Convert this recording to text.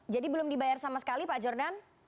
jadi belum dibayar sama sekali pak jordan